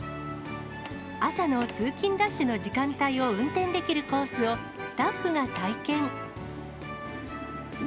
朝の通勤ラッシュの時間帯を運転できるコースを、スタッフが体験。